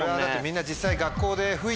みんな実際。